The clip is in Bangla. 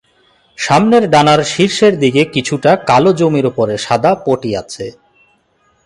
সামনের ডানার শীর্ষের দিকে কিছুটা কালো জমির ওপর সাদা পটি আছে।